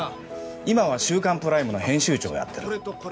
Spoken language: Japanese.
今は『週刊プライム』の編集長をやってる。